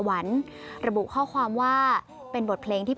รักพระองค์สุดใจลองลีฟด้วยคิด